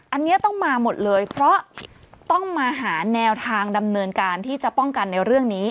อันนี้ต้องมาหมดเลยเพราะต้องมาหาแนวทางดำเนินการที่จะป้องกันในเรื่องนี้